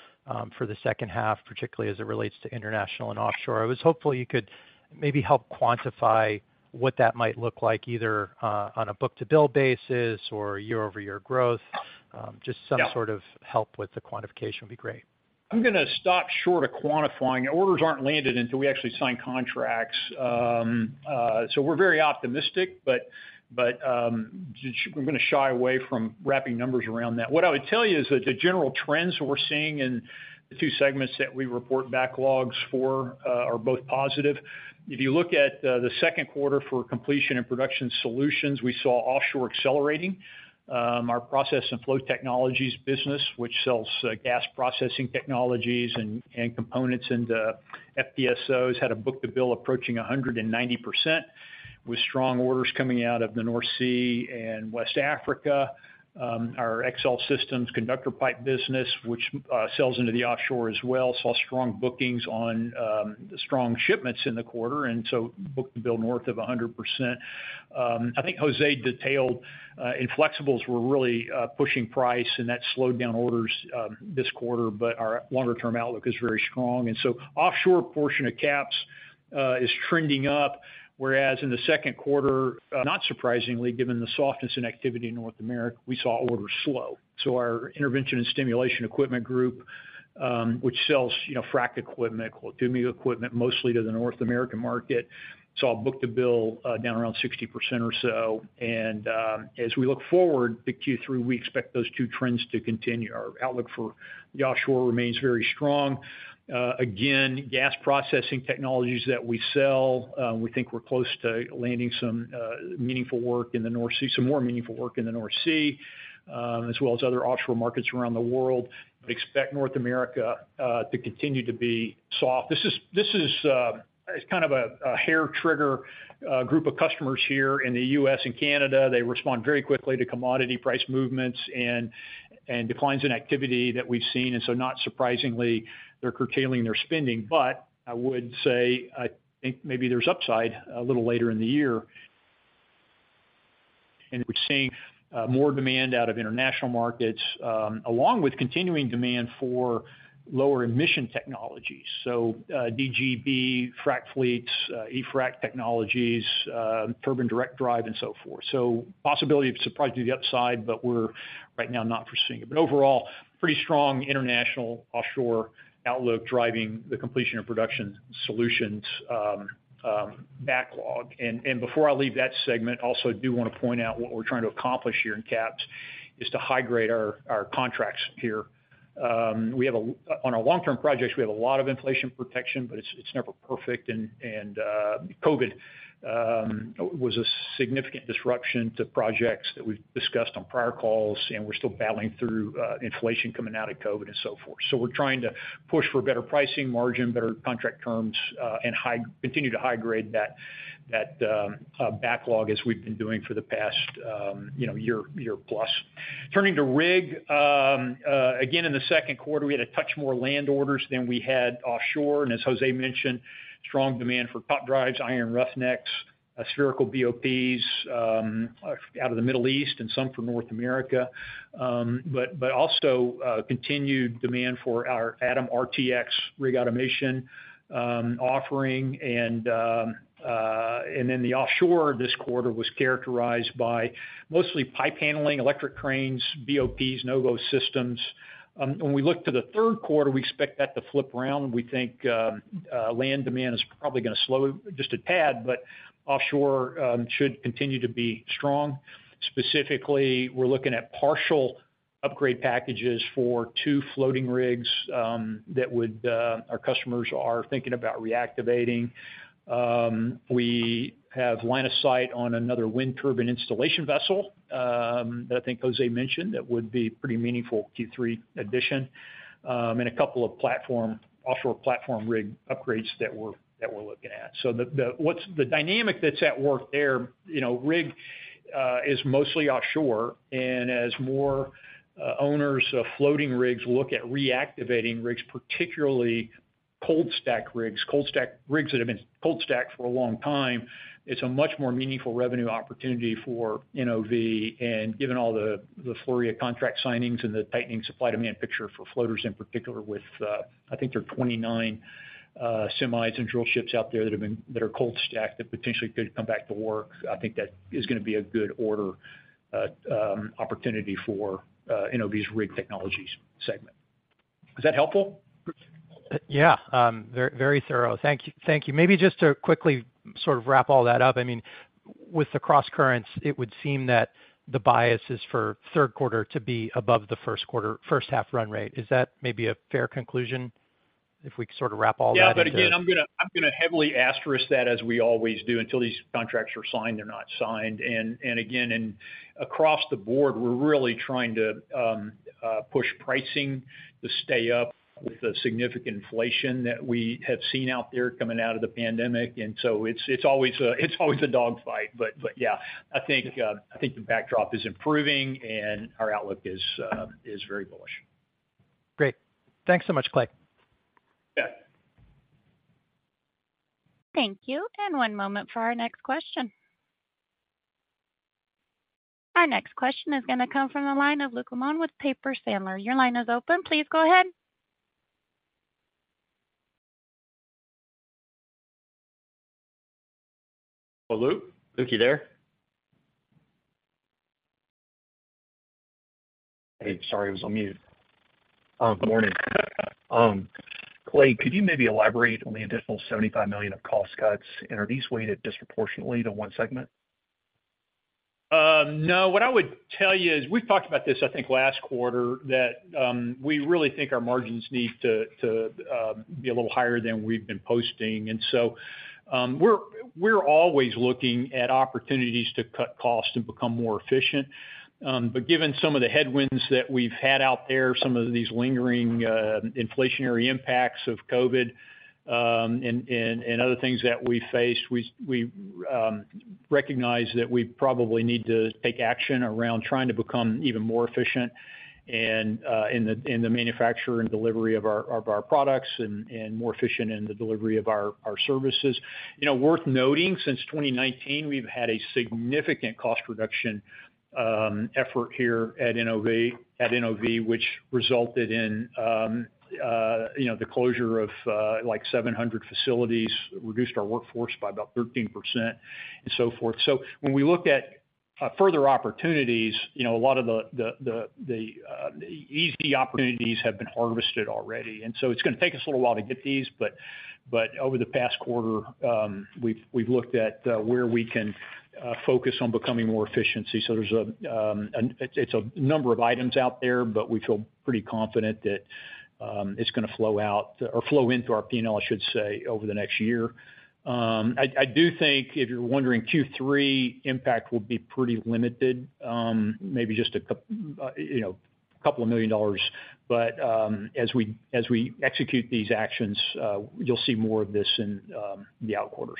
for the second half, particularly as it relates to international and offshore. I was hopeful you could maybe help quantify what that might look like, either on a book-to-bill basis or year-over-year growth. Yeah some sort of help with the quantification would be great. I'm going to stop short of quantifying. Orders aren't landed until we actually sign contracts. We're very optimistic, but I'm going to shy away from wrapping numbers around that. What I would tell you is that the general trends that we're seeing in the 2 segments that we report backlogs for are both positive. If you look at the second quarter for completion and production solutions, we saw offshore accelerating. Our process and flow technologies business, which sells gas processing technologies and components into FPSOs, had a book-to-bill approaching 190%, with strong orders coming out of the North Sea and West Africa. Our Excel Systems Conductor Pipe business, which sells into the offshore as well, saw strong bookings on strong shipments in the quarter. Booked the bill north of 100%. I think Jose detailed in flexibles, we're really pushing price. That slowed down orders this quarter. Our longer-term outlook is very strong. Offshore portion of caps is trending up, whereas in the second quarter, not surprisingly, given the softness in activity in North America, we saw orders slow. Our intervention and stimulation equipment group, which sells, you know, frack equipment, well, dummy equipment, mostly to the North American market, saw a book-to-bill down around 60% or so. As we look forward to Q3, we expect those two trends to continue. Our outlook for the offshore remains very strong. Again, gas processing technologies that we sell, we think we're close to landing some more meaningful work in the North Sea, as well as other offshore markets around the world. Expect North America to continue to be soft. This is kind of a hair trigger group of customers here in the U.S. and Canada. They respond very quickly to commodity price movements and declines in activity that we've seen, not surprisingly, they're curtailing their spending. I would say, I think maybe there's upside a little later in the year. We're seeing more demand out of international markets along with continuing demand for lower emission technologies. DGB, frack fleets, e-frack technologies, turbine direct drive, and so forth. Possibility of surprise to the upside, but we're right now not foreseeing it. Overall, pretty strong international offshore outlook driving the completion of production solutions backlog. Before I leave that segment, I also do want to point out what we're trying to accomplish here in caps. is to high-grade our contracts here. We have on our long-term projects, we have a lot of inflation protection, but it's never perfect, and COVID was a significant disruption to projects that we've discussed on prior calls, and we're still battling through inflation coming out of COVID and so forth. We're trying to push for better pricing margin, better contract terms, and continue to high-grade that backlog as we've been doing for the past, you know, year plus. Turning to rig, again, in the second quarter, we had a touch more land orders than we had offshore, and as Jose mentioned, strong demand for top drives, iron roughnecks, spherical BOPs, out of the Middle East and some from North America. But also, continued demand for our Adam RTX rig automation, offering. The offshore this quarter was characterized by mostly pipe handling, electric cranes, BOPs, no-go systems. When we look to the third quarter, we expect that to flip around. We think, land demand is probably gonna slow just a pad, but offshore, should continue to be strong. Specifically, we're looking at partial upgrade packages for two floating rigs, our customers are thinking about reactivating. We have line of sight on another wind turbine installation vessel, that I think Jose mentioned, that would be pretty meaningful Q3 addition, and a couple of platform, offshore platform rig upgrades that we're looking at. The dynamic that's at work there, you know, rig is mostly offshore, and as more owners of floating rigs look at reactivating rigs, particularly cold stack rigs that have been cold stacked for a long time, it's a much more meaningful revenue opportunity for NOV. Given all the, the flurry of contract signings and the tightening supply-demand picture for floaters, in particular, with, I think there are 29 semis and drill ships out there that are cold stacked, that potentially could come back to work, I think that is gonna be a good order opportunity for NOV's rig technologies segment. Is that helpful? Yeah, very thorough. Thank you. Thank you. Maybe just to quickly sort of wrap all that up, I mean, with the crosscurrents, it would seem that the bias is for third quarter to be above the first quarter, first half run rate. Is that maybe a fair conclusion, if we could sort of wrap all that into? Yeah, I'm gonna heavily asterisk that as we always do. Until these contracts are signed, they're not signed. Again, and across the board, we're really trying to push pricing to stay up with the significant inflation that we have seen out there coming out of the pandemic. It's always a dogfight. Yeah, I think the backdrop is improving and our outlook is very bullish. Great. Thanks so much, Clay. Yeah. Thank you. One moment for our next question. Our next question is gonna come from the line of Luke Lemoine with Piper Sandler. Your line is open. Please go ahead. Hello, Luke? Luke, you there? Hey, sorry, I was on mute. Good morning. Clay, could you maybe elaborate on the additional $75 million of cost cuts, and are these weighted disproportionately to one segment? No. What I would tell you is, we've talked about this, I think, last quarter, that, we really think our margins need to be a little higher than we've been posting. We're always looking at opportunities to cut costs and become more efficient. Given some of the headwinds that we've had out there, some of these lingering, inflationary impacts of COVID, and other things that we face, we recognize that we probably need to take action around trying to become even more efficient and, in the manufacture and delivery of our products and more efficient in the delivery of our services. You know, worth noting, since 2019, we've had a significant cost reduction effort here at NOV, which resulted in, you know, the closure of, like, 700 facilities, reduced our workforce by about 13% and so forth. When we look at further opportunities, you know, a lot of the easy opportunities have been harvested already, it's gonna take us a little while to get these, but over the past quarter, we've looked at where we can focus on becoming more efficiency. There's a, it's a number of items out there, we feel pretty confident that it's gonna flow out or flow into our P&L, I should say, over the NexTier I, I do think if you're wondering, Q3 impact will be pretty limited, maybe just you know, a couple of million dollars. As we, as we execute these actions, you'll see more of this in, the out quarters.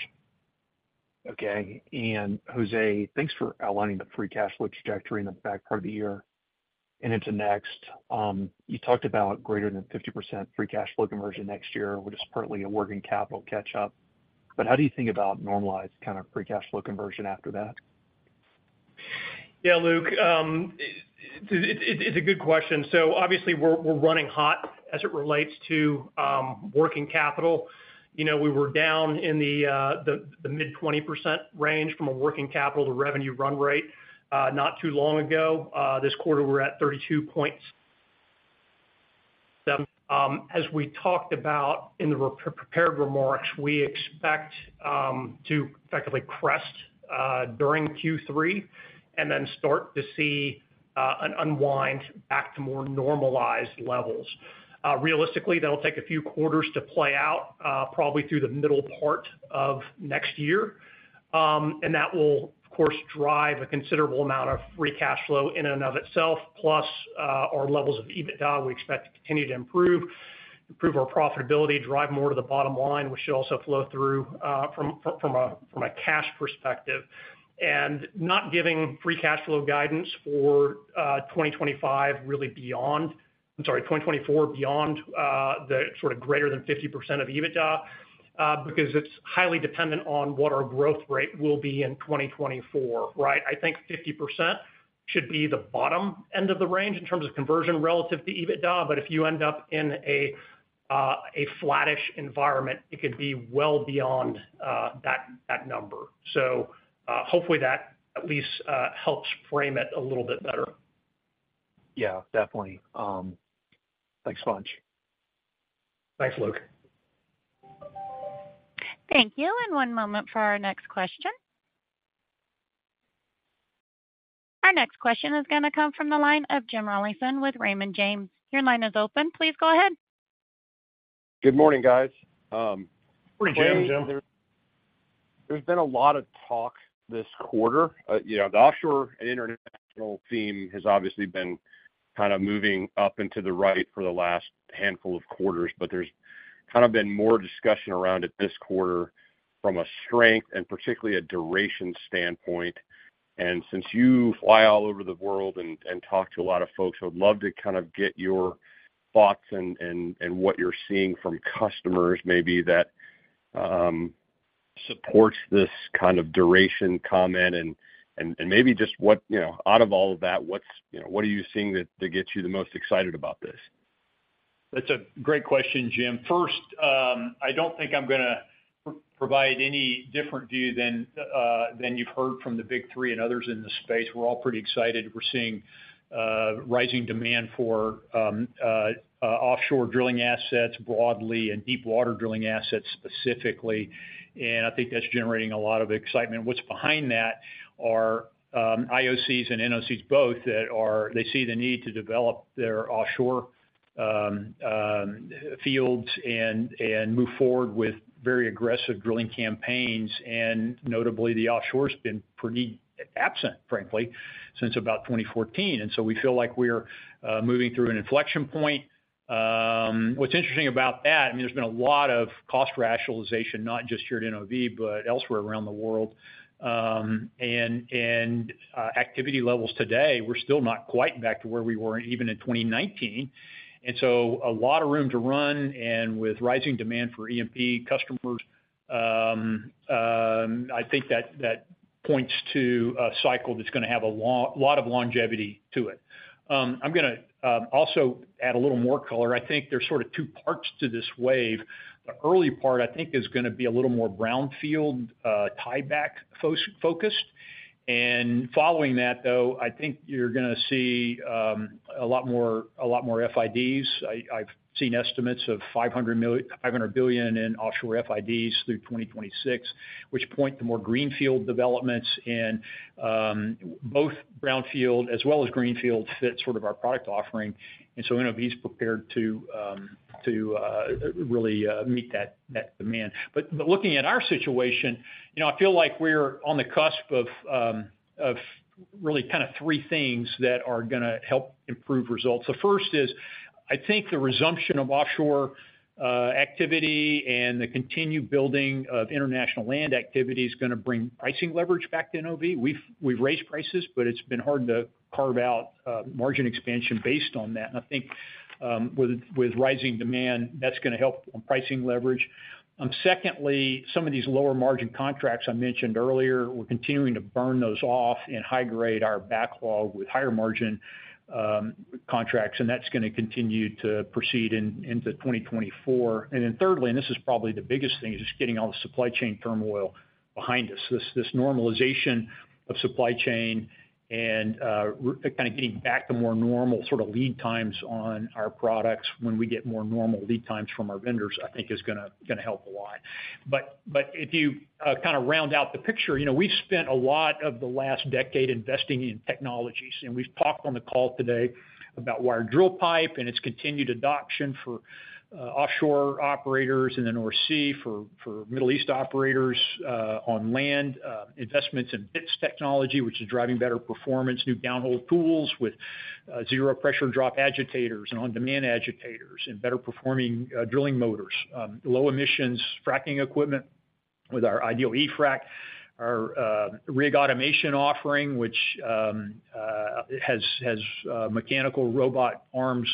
Okay. Jose, thanks for outlining the free cash flow trajectory in the back part of the year and into next. You talked about greater than 50% free cash flow conversion NexTier, which is partly a working capital catch-up. How do you think about normalized kind of free cash flow conversion after that? Yeah, Luke, it's a good question. Obviously, we're running hot as it relates to working capital. You know, we were down in the mid-20% range from a working capital to revenue run rate, not too long ago. This quarter, we're at 32. As we talked about in the prepared remarks, we expect to effectively crest during Q3, and then start to see an unwind back to more normalized levels. Realistically, that'll take a few quarters to play out, probably through the middle part of next year. That will, of course, drive a considerable amount of free cash flow in and of itself, plus our levels of EBITDA, we expect to continue to improve our profitability, drive more to the bottom line, which should also flow through from a cash perspective. Not giving free cash flow guidance for 2025, really beyond 2024, beyond the sort of greater than 50% of EBITDA, because it's highly dependent on what our growth rate will be in 2024, right? I think 50% should be the bottom end of the range in terms of conversion relative to EBITDA, but if you end up in a flattish environment, it could be well beyond that number. Hopefully, that at least helps frame it a little bit better. Yeah, definitely. Thanks much. Thanks, Luke. Thank you, and one moment for our next question. Our next question is gonna come from the line of Jim Rollyson with Raymond James. Your line is open. Please go ahead. Good morning, guys. Good morning, Jim. There's been a lot of talk this quarter. You know, the offshore and international theme has obviously been kind of moving up into the right for the last handful of quarters, but there's kind of been more discussion around it this quarter from a strength and particularly a duration standpoint. Since you fly all over the world and, and talk to a lot of folks, I would love to kind of get your thoughts and, and, and what you're seeing from customers, maybe that supports this kind of duration comment and, and, and maybe just you know, out of all of that, what's, you know, what are you seeing that, that gets you the most excited about this? That's a great question, Jim. First, I don't think I'm gonna provide any different view than you've heard from the big three and others in the space. We're all pretty excited. We're seeing rising demand for offshore drilling assets broadly, and deepwater drilling assets, specifically. I think that's generating a lot of excitement. What's behind that are IOCs and NOCs both, that they see the need to develop their offshore fields and move forward with very aggressive drilling campaigns, and notably, the offshore's been pretty absent, frankly, since about 2014. We feel like we're moving through an inflection point. What's interesting about that, I mean, there's been a lot of cost rationalization, not just here at NOV, but elsewhere around the world. Activity levels today, we're still not quite back to where we were, even in 2019. A lot of room to run, and with rising demand for E&P customers, I think that points to a cycle that's gonna have a lot of longevity to it. I'm gonna also add a little more color. I think there's sort of two parts to this wave. The early part, I think, is gonna be a little more brownfield, tieback focused. Following that, though, I think you're gonna see a lot more FIDs. I've seen estimates of $500 billion in offshore FIDs through 2026, which point to more greenfield developments in both brownfield as well as greenfield, fit sort of our product offering. NOV is prepared to, to really meet that, that demand. Looking at our situation, you know, I feel like we're on the cusp of really kind of three things that are gonna help improve results. The first is, I think the resumption of offshore activity and the continued building of international land activity is gonna bring pricing leverage back to NOV. We've raised prices, but it's been hard to carve out margin expansion based on that. I think, with rising demand, that's gonna help on pricing leverage. Secondly, some of these lower margin contracts I mentioned earlier, we're continuing to burn those off and high grade our backlog with higher margin contracts, and that's gonna continue to proceed into 2024. Thirdly, this is probably the biggest thing, is just getting all the supply chain turmoil behind us. This normalization of supply chain and kind of getting back to more normal sort of lead times on our products. When we get more normal lead times from our vendors, I think is gonna help a lot. But if you kind of round out the picture, you know, we've spent a lot of the last decade investing in technologies, we've talked on the call today about wired drill pipe and its continued adoption for offshore operators in the North Sea, for Middle East operators on land. Investments in bits technology, which is driving better performance, new downhole tools with zero pressure drop agitators and on-demand agitators and better performing drilling motors. Low emissions fracking equipment with our ideal eFrac. Our rig automation offering, which has mechanical robot arms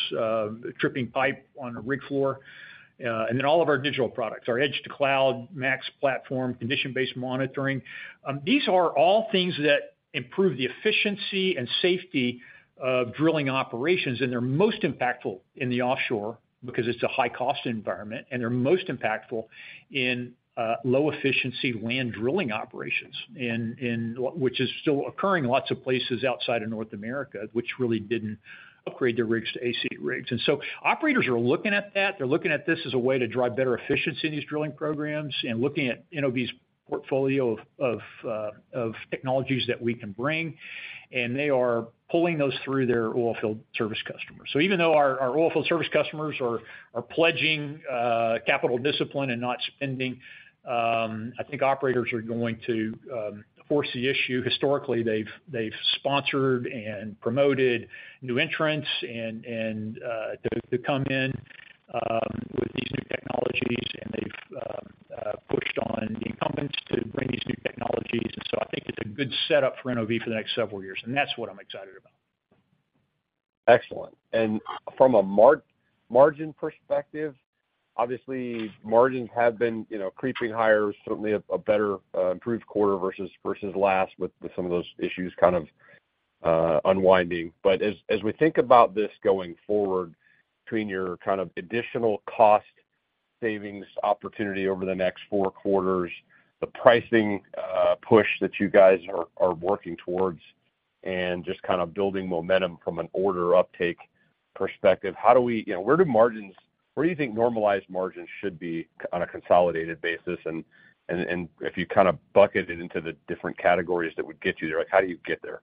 tripping pipe on a rig floor. All of our digital products, our edge to cloud, Max platform, condition-based monitoring. These are all things that improve the efficiency and safety of drilling operations, and they're most impactful in the offshore because it's a high-cost environment, and they're most impactful in low efficiency land drilling operations. Which is still occurring in lots of places outside of North America, which really didn't upgrade their rigs to AC rigs. Operators are looking at that. They're looking at this as a way to drive better efficiency in these drilling programs and looking at NOV's port-... portfolio of technologies that we can bring, and they are pulling those through their oil field service customers. Even though our oil field service customers are pledging capital discipline and not spending, I think operators are going to force the issue. Historically, they've sponsored and promoted new entrants and to come in with these new technologies, and they've pushed on the incumbents to bring these new technologies. I think it's a good setup for NOV for the next several years, and that's what I'm excited about. Excellent. From a margin perspective, obviously, margins have been, you know, creeping higher, certainly a better improved quarter versus last, with some of those issues kind of unwinding. As we think about this going forward, between your kind of additional cost savings opportunity over the next four quarters, the pricing push that you guys are working towards, and just kind of building momentum from an order uptake perspective, You know, where do you think normalized margins should be on a consolidated basis? If you kind of bucket it into the different categories that would get you there, like, how do you get there?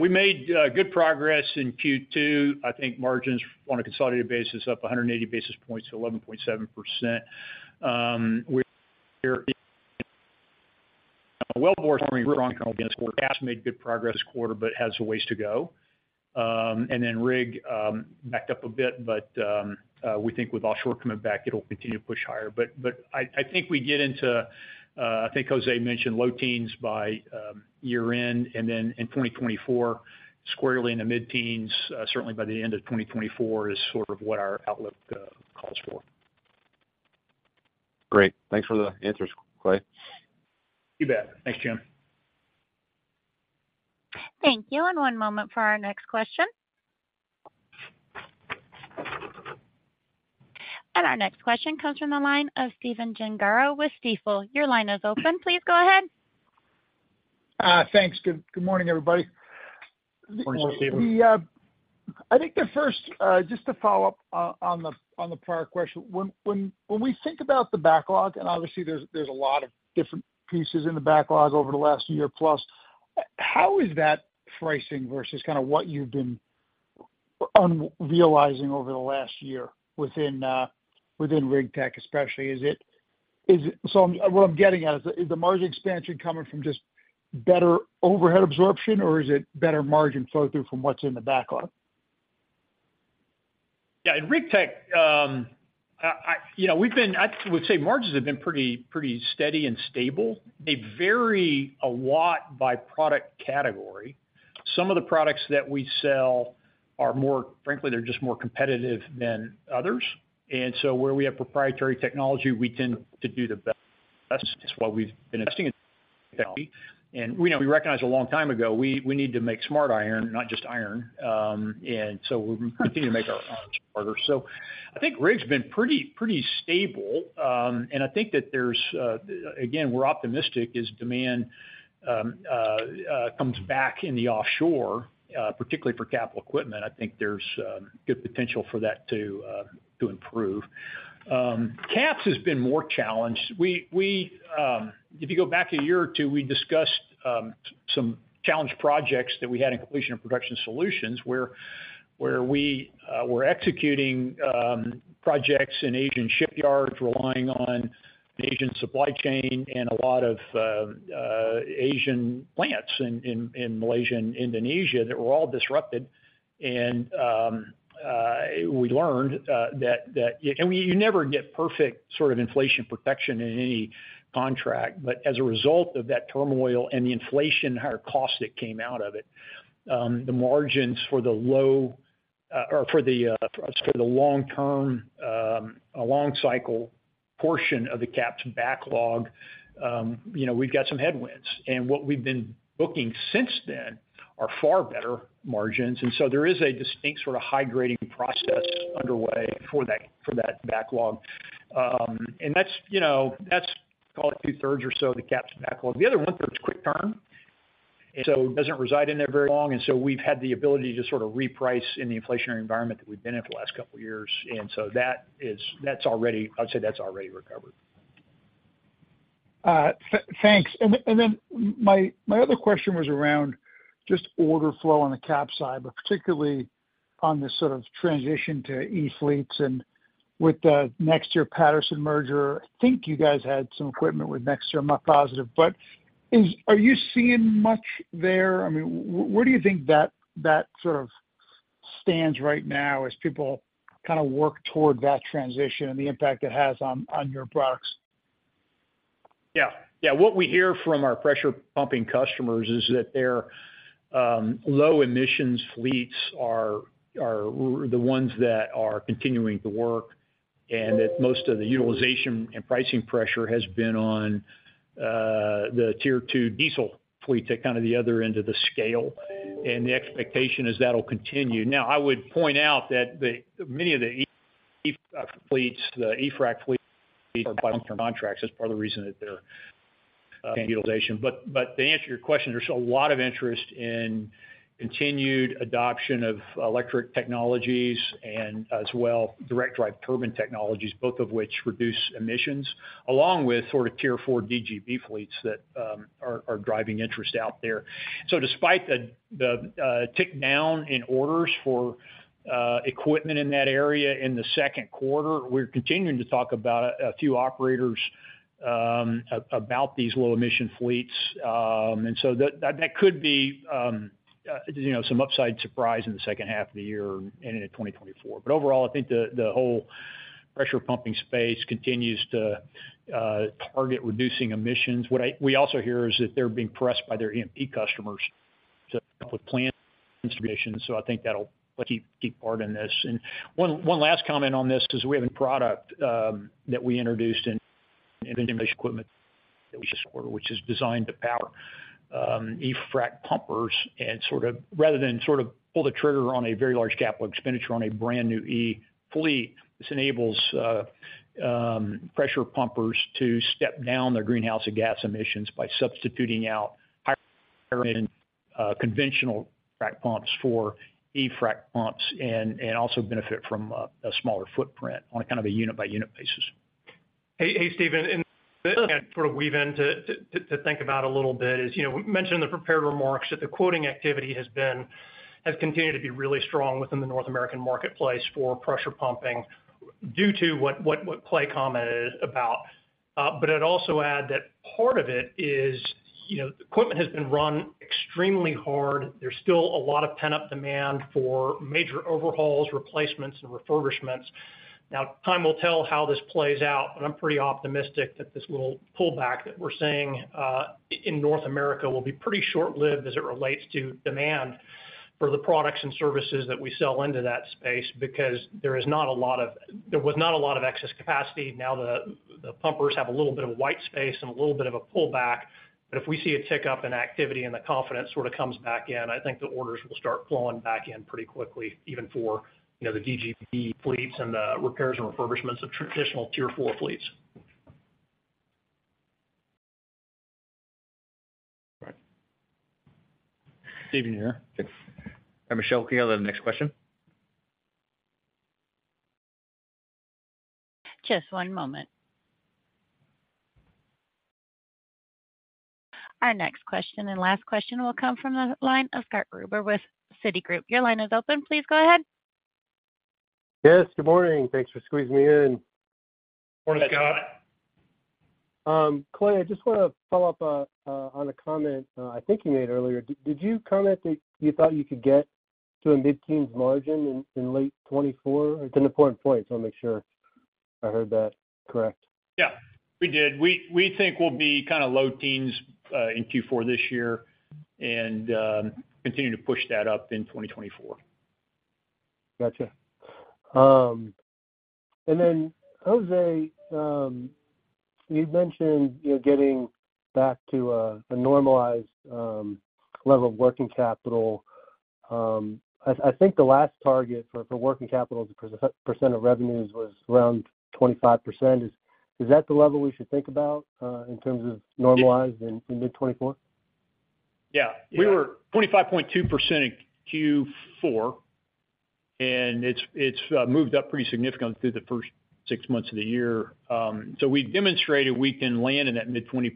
We made good progress in Q2. I think margins on a consolidated basis, up 180 basis points to 11.7%. Wellbore strong against where caps made good progress this quarter, but has a ways to go. Rig backed up a bit, but we think with offshore coming back, it'll continue to push higher. I think we get into, I think Jose mentioned low teens by year-end, in 2024, squarely in the mid-teens, certainly by the end of 2024, is sort of what our outlook calls for. Great. Thanks for the answers, Clay. You bet. Thanks, Jim. Thank you. One moment for our next question. Our next question comes from the line of Steven Giangro with Stifel. Your line is open. Please go ahead. Thanks. Good morning, everybody. Good morning, Steven. The, I think the first, just to follow up on the prior question. When we think about the backlog, and obviously there's a lot of different pieces in the backlog over the last year plus, how is that pricing versus kind of what you've been realizing over the last year within Rig Tech, especially? Is it... So what I'm getting at, is the margin expansion coming from just better overhead absorption, or is it better margin flow through from what's in the backlog? Yeah, in Rig Tech, I would say margins have been pretty, pretty steady and stable. They vary a lot by product category. Some of the products that we sell are more, frankly, they're just more competitive than others. Where we have proprietary technology, we tend to do the best. That's why we've been investing in technology. You know, we recognized a long time ago, we need to make smart iron, not just iron. We continue to make our smarter. I think Rig's been pretty, pretty stable. I think that there's again, we're optimistic as demand comes back in the offshore, particularly for capital equipment. I think there's good potential for that to improve. Caps has been more challenged. We, if you go back a year or two, we discussed some challenged projects that we had in completion of production solutions, where we were executing projects in Asian shipyards, relying on the Asian supply chain and a lot of Asian plants in Malaysia and Indonesia, that were all disrupted. We learned that. We, you never get perfect sort of inflation protection in any contract, but as a result of that turmoil and the inflation, higher cost that came out of it, the margins for the low or for the for the long term, a long cycle portion of the caps backlog, you know, we've got some headwinds. What we've been booking since then are far better margins. There is a distinct sort of high grading process underway for that, for that backlog. That's, you know, that's call it two-thirds or so, the caps backlog. The other one-third's quick term. It doesn't reside in there very long. We've had the ability to sort of reprice in the inflationary environment that we've been in the last couple of years. That's already... I'd say that's already recovered. thanks. My other question was around just order flow on the cap side, but particularly on this sort of transition to E fleets and with the NexTier Patterson merger, I think you guys had some equipment with NexTier, I'm not positive, but are you seeing much there? I mean, where do you think that, that sort of stands right now as people kind of work toward that transition and the impact it has on, on your products? Yeah. What we hear from our pressure pumping customers is that their low emissions fleets are the ones that are continuing to work, and that most of the utilization and pricing pressure has been on the tier 2 diesel fleet to kind of the other end of the scale, and the expectation is that'll continue. Now, I would point out that many of the E-fleets, the EFRAK fleets, are long-term contracts. That's part of the reason that they're utilization. To answer your question, there's a lot of interest in continued adoption of electric technologies and as well, direct drive turbine technologies, both of which reduce emissions, along with sort of Tier 4 DGB fleets that are driving interest out there. Despite the tick down in orders for equipment in that area in the second quarter, we're continuing to talk about a few operators about these low emission fleets. That could be, you know, some upside surprise in the second half of the year and into 2024. Overall, I think the whole pressure pumping space continues to target reducing emissions. What we also hear is that they're being pressed by their E&P customers to help with plan distributions. I think that'll keep part in this. One last comment on this, 'cause we have a product that we introduced in equipment that we just ordered, which is designed to power e-frac pumpers. Sort of rather than pull the trigger on a very large capital expenditure on a brand new E fleet, this enables pressure pumpers to step down their greenhouse and gas emissions by substituting out high conventional frac pumps for e-frac pumps, and also benefit from a smaller footprint on a kind of a unit-by-unit basis. Hey, hey, Stephen, sort of weave in to think about a little bit is, you know, we mentioned in the prepared remarks that the quoting activity has continued to be really strong within the North American marketplace for pressure pumping due to what Clay commented about. I'd also add that part of it is, you know, equipment has been run extremely hard. There's still a lot of pent-up demand for major overhauls, replacements, and refurbishments. Time will tell how this plays out, I'm pretty optimistic that this will pull back, that we're seeing in North America, will be pretty short-lived as it relates to demand for the products and services that we sell into that space, because there was not a lot of excess capacity. The, the pumpers have a little bit of white space and a little bit of a pullback. If we see a tick up in activity and the confidence sort of comes back in, I think the orders will start flowing back in pretty quickly, even for, you know, the DGP fleets and the repairs and refurbishments of traditional Tier Four fleets. Right. Stephen, here. Thanks. Michelle, can I have the next question? Just one moment. Our next question and last question will come from the line of Scott Gruber with Citigroup. Your line is open. Please go ahead. Yes, good morning. Thanks for squeezing me in. Good morning, Scott. Clay, I just want to follow up on a comment I think you made earlier. Did you comment that you thought you could get to a mid-teens margin in late 2024? It's an important point, so I'll make sure I heard that correct. Yeah, we did. We think we'll be kind of low teens, in Q4 this year and, continue to push that up in 2024. Gotcha. Jose, you'd mentioned, you know, getting back to a normalized level of working capital. I think the last target for working capital as a percent of revenues was around 25%. Is that the level we should think about in terms of normalized in, in mid 2024? Yeah. We were 25.2% in Q4. It's moved up pretty significantly through the first six months of the year. We've demonstrated we can land in that mid 20%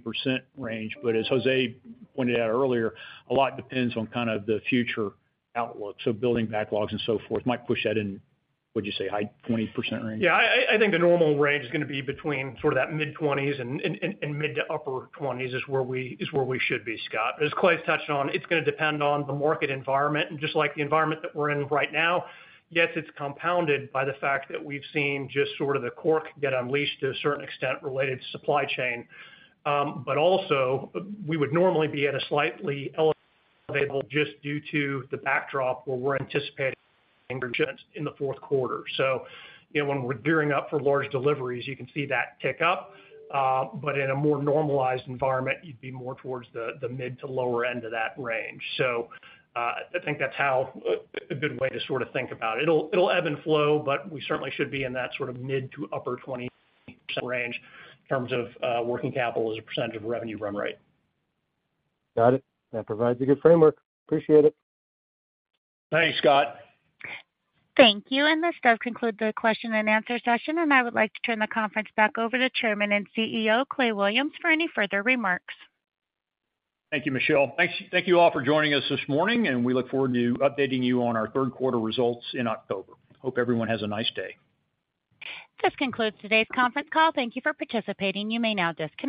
range, as Jose pointed out earlier, a lot depends on kind of the future outlook. Building backlogs and so forth might push that in, would you say, high 20% range? Yeah, I think the normal range is gonna be between sort of that mid-20s and mid to upper 20s is where we should be, Scott. As Clay touched on, it's gonna depend on the market environment, just like the environment that we're in right now. Yes, it's compounded by the fact that we've seen just sort of the cork get unleashed to a certain extent related to supply chain. Also, we would normally be at a slightly elevated level just due to the backdrop where we're anticipating in the fourth quarter. You know, when we're gearing up for large deliveries, you can see that tick up. In a more normalized environment, you'd be more towards the mid to lower end of that range. I think that's how, a good way to sort of think about it. It'll, it'll ebb and flow, but we certainly should be in that sort of mid to upper 20% range in terms of, working capital as a percentage of revenue run rate. Got it. That provides a good framework. Appreciate it. Thanks, Scott. Thank you. This does conclude the question and answer session, and I would like to turn the conference back over to Chairman and CEO, Clay Williams, for any further remarks. Thank you, Michelle. Thanks. Thank you all for joining us this morning, and we look forward to updating you on our third quarter results in October. Hope everyone has a nice day. This concludes today's conference call. Thank you for participating. You may now disconnect.